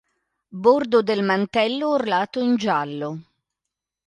Bordo del mantello orlato in giallo.